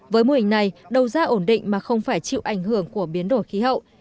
với mô hình này đầu ra ổn định mà không phải chịu ảnh hưởng của biến đổi khí hậu